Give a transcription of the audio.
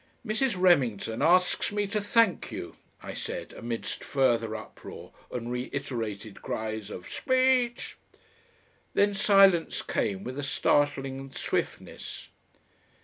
"Mrs. Remington asks me to thank you," I said, amidst further uproar and reiterated cries of "Speech!" Then silence came with a startling swiftness.